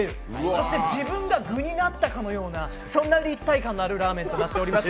そして自分が具になったかのようなそんな立体感のあるラーメンとなっております